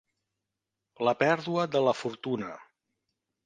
La pèrdua de la fortuna.